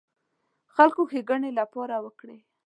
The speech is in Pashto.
خلکو ښېګڼې لپاره وکړ.